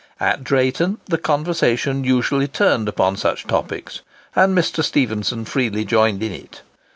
At Drayton, the conversation usually turned upon such topics, and Mr. Stephenson freely joined in it.